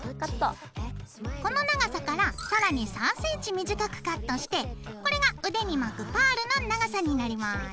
この長さから更に３ｃｍ短くカットしてこれが腕に巻くパールの長さになります。